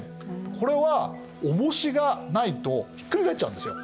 これは重しがないとひっくり返っちゃうんですよ。